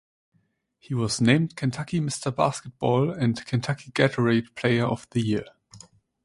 He was named Kentucky Mister Basketball and Kentucky Gatorade Player of the Year.